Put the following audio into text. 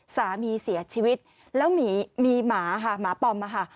สามีเสียชีวิตแล้วมีหมาหมาปอมมา